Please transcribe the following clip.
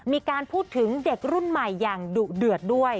มีการพูดถึงเด็กรุ่นใหม่อย่างดุเดือดด้วย